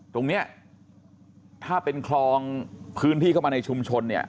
ตรงนี้ถ้าเป็นคลองพื้นที่เข้ามาในชุมชนเนี่ย